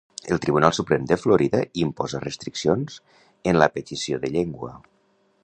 El Tribunal Suprem de Florida imposa restriccions en la petició de llengua.